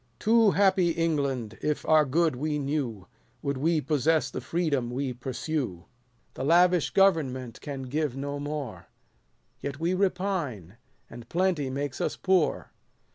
Too happy England, if our good we knew, Would we possess the freedom we pursue ! The lavish government can give no more : Yet we repine, and plenty makes us poor.